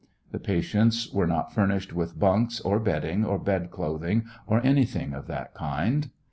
The patients were not furnished with bunks or bedding, or bod clothing, or anything of that kind.